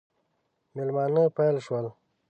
مېلمانه پیل شول.